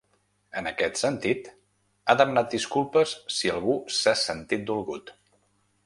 En aquest sentit, ha demanat disculpes “si algú s’ha sentit dolgut”.